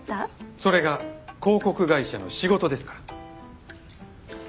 それが広告会社の仕事ですから。